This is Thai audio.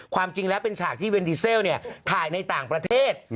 ความจริงแล้วเป็นฉากที่เวนดีเซลถ่ายในต่างประเทศ